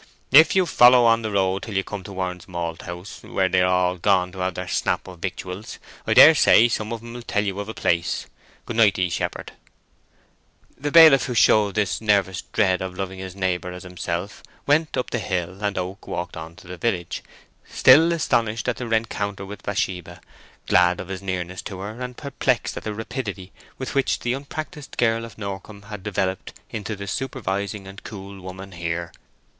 "If you follow on the road till you come to Warren's Malthouse, where they are all gone to have their snap of victuals, I daresay some of 'em will tell you of a place. Good night to ye, shepherd." The bailiff who showed this nervous dread of loving his neighbour as himself, went up the hill, and Oak walked on to the village, still astonished at the reencounter with Bathsheba, glad of his nearness to her, and perplexed at the rapidity with which the unpractised girl of Norcombe had developed into the supervising and cool woman here.